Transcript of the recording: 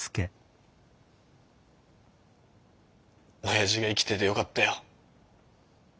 親父が生きててよかったよ。